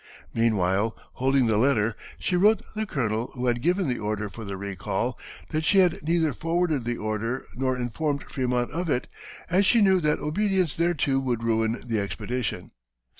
Meanwhile, holding the letter, she wrote the colonel who had given the order for the recall that she had neither forwarded the order nor informed Frémont of it, as she knew that obedience thereto would ruin the expedition.